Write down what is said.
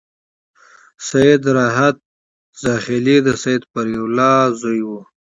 سید راحت زاخيلي د سید فریح الله زوی و.